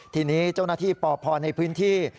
ทีนี้เจ้านาธิป่อพรภอในพื้นที่